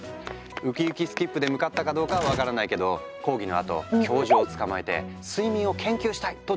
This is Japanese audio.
ウキウキスキップで向かったかどうかは分からないけど講義のあと教授をつかまえて「睡眠を研究したい！」とじか談判。